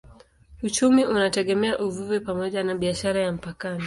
Uchumi unategemea uvuvi pamoja na biashara ya mpakani.